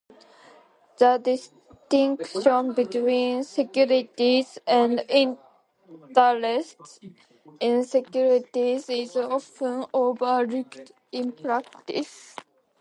The distinction between securities and interests in securities is often overlooked in practice.